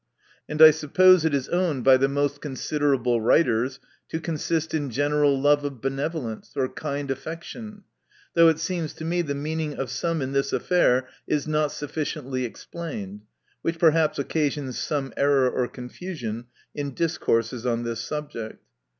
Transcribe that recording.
And I suppose, it is owned by the most considera ble writers, to consist in general love of benevolence, or kind affection : though it seems to me, the meaning of some in this affair is not sufficiently explained, which perhaps occasions some error or confusion in discourses on this subject.